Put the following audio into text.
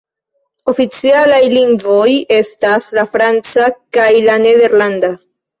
Oficialaj lingvoj estas la franca kaj la nederlanda.